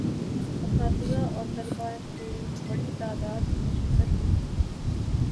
اساتذہ و طلباء کی بڑی تعداد نے شرکت کی